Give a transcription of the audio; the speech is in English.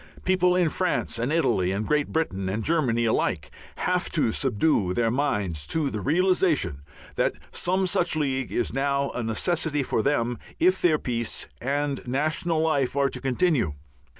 People in France and Italy and Great Britain and Germany alike have to subdue their minds to the realization that some such League is now a necessity for them if their peace and national life are to continue.